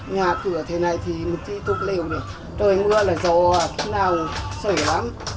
nhà cửa thế này thì mình đi tục liều đi trời mưa là gió khi nào sợ lắm